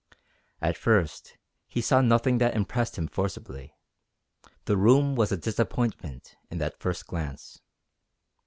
At first he saw nothing that impressed him forcibly. The room was a disappointment in that first glance.